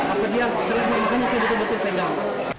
atau dia berlaku yang saya betul betul pegang